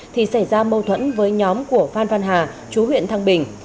thì xảy ra mâu thuẫn với nhóm của phan văn hà chú huyện thăng bình